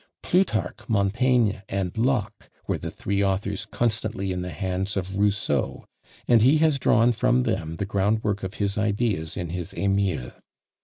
Plutarch, Montaigne, and Locke, were the three authors constantly in the hands of Rousseau, and he has drawn from them the groundwork of his ideas in his Emile.